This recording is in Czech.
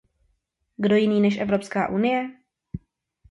Kdo jiný než Evropská unie?